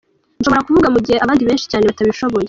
Nshobora kuvuga mu gihe abandi benshi cyane batabishoboye.